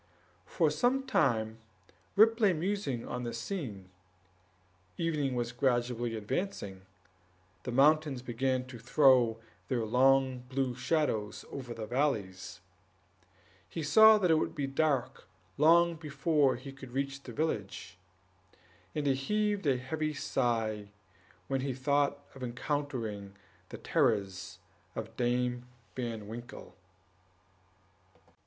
For some time Rip lay musing on this scene; evening was gradually advancing, the mountains began to throw their long blue shadows over the valleys; he saw that it would be dark long before he could reach the village, and he heaved a heavy sigh when he thought of encountering the terrors of Dame Van Winkle.